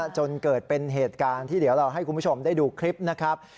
จนเกิดเป็นเหตุการณ์ที่เดี๋ยวเราให้คุณผู้ชมได้ดูคลิปนะครับ